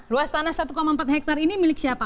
luas tanah satu empat hektare ini milik siapa